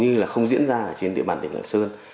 nhưng mà không diễn ra trên địa bàn tỉnh lạng sơn